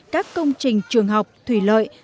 các công trình trường học thủy lợi